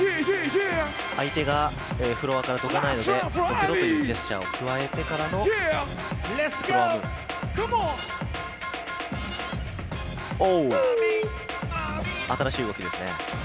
相手がフロアからどかないので、どけろというジェスチャーを加えてからのフロアムーブ、新しい動きですね。